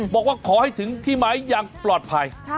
บอกว่าขอให้ถึงที่ไม้อย่างปลอดภัย